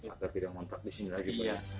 agar tidak mengontrak di sini lagi